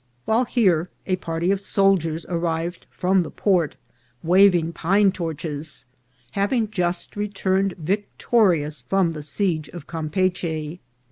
While here, a party of soldiers arrived from the port, waving pine torches, having just returned victorious from the siege of Campeachy.